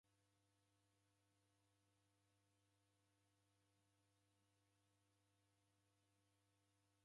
Ndodo yapo ni kuandika habari riboie nandighi w'urumwengunyi.